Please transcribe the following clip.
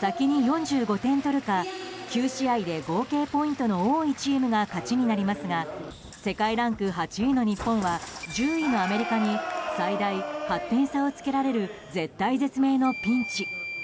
先に４５点取るか９試合で合計ポイントの多いチームが勝ちになりますが世界ランク８位の日本は１０位のアメリカに最大８点差をつけられる絶体絶命のピンチ。